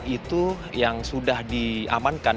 itu yang sudah diamankan